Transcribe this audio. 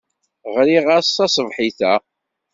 Ɣriɣ-as taṣebḥit-a.